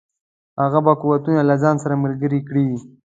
هغه به قوتونه له ځان سره ملګري کړي.